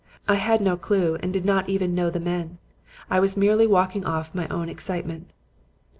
I had no clue and did not even know the men. I was merely walking off my own excitement.